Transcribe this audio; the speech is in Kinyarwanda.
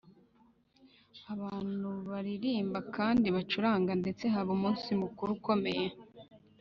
abantu baririmba kandi bacuranga ndetse haba umunsi mukuru ukomeye.